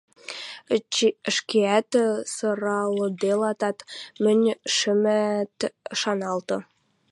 – Ӹшкеӓт сыралыделатат, мӹнь шӹмӓт шаналты.